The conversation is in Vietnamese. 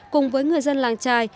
cùng với người dân làng trài